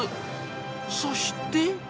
そして。